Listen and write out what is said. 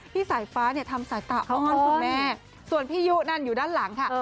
สายฟ้าเนี่ยทำสายตาอ้อนคุณแม่ส่วนพี่ยุนั่นอยู่ด้านหลังค่ะ